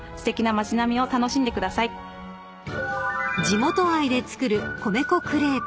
［地元愛で作る米粉クレープ］